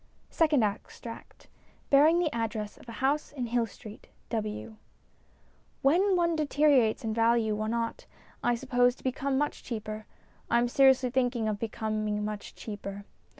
SECOND EXTRACT (Bearing the Address of a House in Hill Street, W.) WHEN one deteriorates in value one ought, I suppose, to become much cheaper. I am seriously thinking of becoming much cheaper.